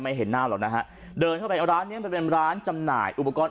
เห็นหน้าหรอกนะฮะเดินเข้าไปร้านเนี้ยมันเป็นร้านจำหน่ายอุปกรณ์